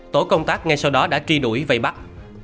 tổ công tác ngay sau đó đã truy đuổi vây bắt